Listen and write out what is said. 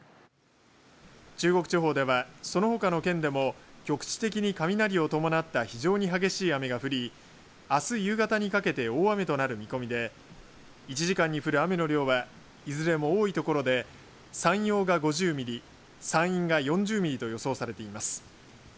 中国地方ではそのほかの県でも局地的に雷を伴った非常に激しい雨が降りあす夕方にかけて大雨となる見込みで１時間に降る雨の量はいずれも多い所で山陽が５０ミリ、山陰が４０ミリと予想されています。